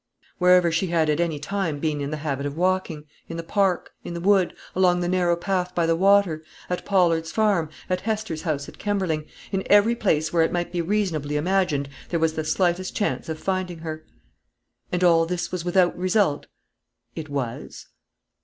"Wherever she had at any time been in the habit of walking, in the park; in the wood; along the narrow path by the water; at Pollard's farm; at Hester's house at Kemberling, in every place where it might be reasonably imagined there was the slightest chance of finding her." "And all this was without result?" "It was."